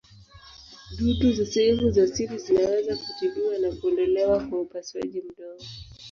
Dutu za sehemu za siri zinaweza kutibiwa na kuondolewa kwa upasuaji mdogo.